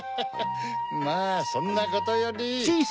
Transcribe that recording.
まぁそんなことより。